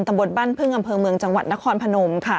ตำบลบ้านพึ่งอำเภอเมืองจังหวัดนครพนมค่ะ